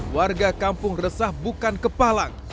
warga kampung resah bukan kepalang